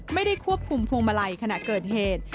ไม่ได้ควบคุมพวงมาลัยขณะเกิดเหตุ